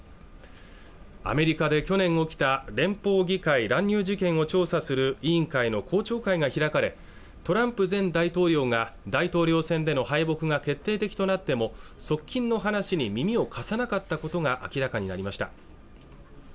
アメリカで去年起きた連邦議会乱入事件を調査する委員会の公聴会が開かれトランプ前大統領が大統領選での敗北が決定的となっても側近の話に耳を貸さなかったことが明らかになりました